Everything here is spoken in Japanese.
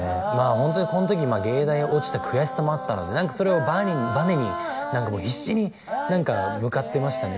ホントにこの時藝大落ちた悔しさもあったのでそれをバネに必死に向かってましたね